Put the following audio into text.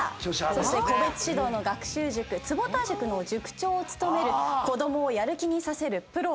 そして個別指導の学習塾坪田塾の塾長を務める子供をやる気にさせるプロ。